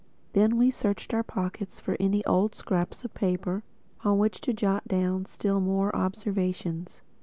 Then we searched our pockets for any odd scraps of paper on which to jot down still more observations.